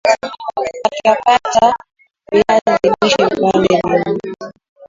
katakata viazi lishe vipande nne